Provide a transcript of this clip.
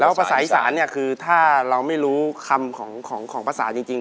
แล้วภาษาอิสรานี้คือถ้าเราไม่รู้คำของภาษาจริง